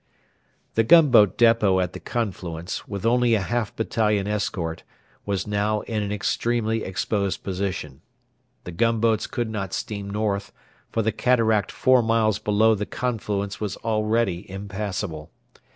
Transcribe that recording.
The gunboat depot at the confluence, with only a half battalion escort, was now in an extremely exposed position. The gunboats could not steam north, for the cataract four miles below the confluence was already impassable.